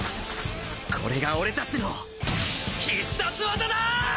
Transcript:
これが俺たちの必殺技だ！